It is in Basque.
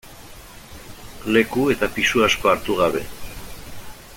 Leku eta pisu asko hartu gabe.